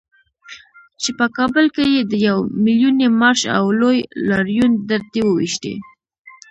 چې په کابل کې یې د يو ميليوني مارش او لوی لاريون ډرتې وويشتې.